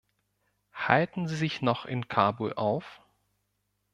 Halten sie sich noch in Kabul auf?